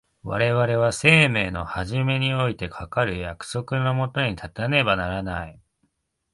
我々は生命の始めにおいてかかる約束の下に立たねばならない。